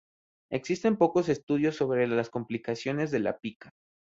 Existen pocos estudios sobre las complicaciones de la pica.